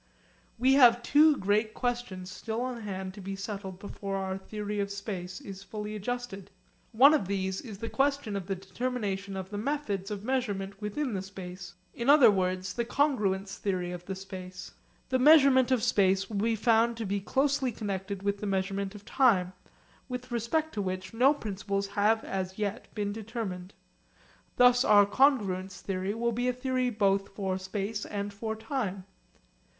We have two great questions still on hand to be settled before our theory of space is fully adjusted. One of these is the question of the determination of the methods of measurement within the space, in other words, the congruence theory of the space. The measurement of space will be found to be closely connected with the measurement of time, with respect to which no principles have as yet been determined. Thus our congruence theory will be a theory both for space and for time.